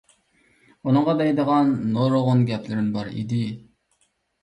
ئۇنىڭغا دەيدىغان نۇرغۇن گەپلىرىم بار ئىدى.